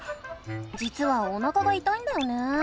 じつはおなかがいたいんだよね。